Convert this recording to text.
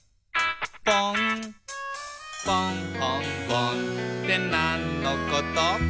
「ぽんほんぼんってなんのこと？」